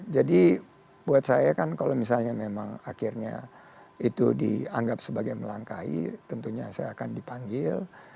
jadi buat saya kan kalau misalnya memang akhirnya itu dianggap sebagai melangkahi tentunya saya akan dipanggil